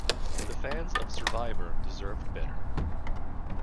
The fans of "Survivor" deserved better.